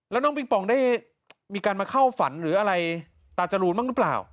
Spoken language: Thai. แล้วน้องปิงปองได้มีการมาเข้าฝันหรืออะไรตาจรูนบ้างหรือเปล่า